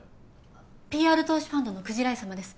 あっＰＲ投資ファンドの鯨井様です。